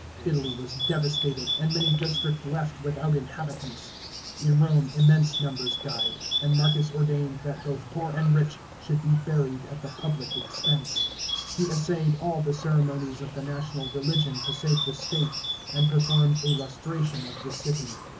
Italy was devastated, and many districts left without inhabitants. In Rome immense numbers di*d, and Marcus ordained that both poor and rich should be buried at the public expense. He essayed all the ceremonies of the national religion to save the state, and performed a lustration of the city.